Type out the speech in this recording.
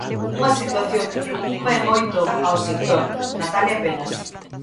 Unha situación que preocupa e moito ao sector, Natalia Penas.